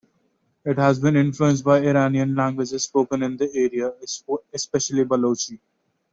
It has been influenced by the Iranian languages spoken in the area, especially Balochi.